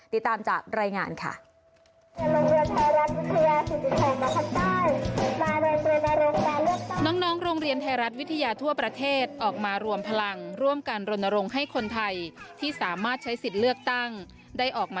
ติดตามจากรายงานค่ะ